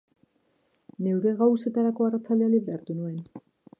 Neure gauzetarako arratsalde librea hartu nuen.